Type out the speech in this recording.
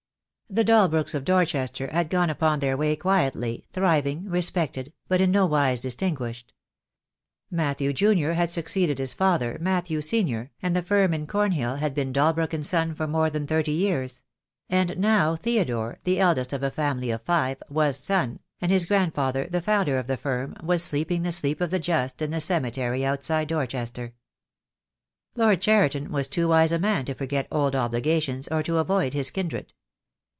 The Dalbrooks, of Dorchester, had gone upon their way quietly, thriving, respected, but in no wise dis tinguished. Matthew, junior, had succeeded his father, Matthew, senior, and the firm in Cornhill had been Dal brook & Son for more than thirty years; and now Theo dore, the eldest of a family of five, was Son, and his grandfather, the founder of the firm, was sleeping the sleep of the just in the cemetery outside Dorchester. Lord Cheriton was too wise a man to forget old obligations or to avoid his kindred.